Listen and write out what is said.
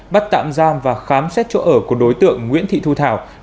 bắt tạm giam và khám xét chỗ ở của đối tượng nguyễn thị thu thảo